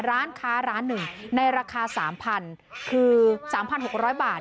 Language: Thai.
ร้านค้าร้านหนึ่งในราคา๓๖๐๐บาท